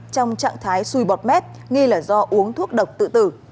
trong trạng thái xui bọt mép nghi là do uống thuốc độc tự tử